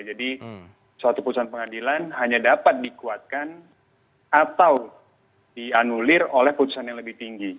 jadi suatu putusan pengadilan hanya dapat dikuatkan atau dianulir oleh putusan yang lebih tinggi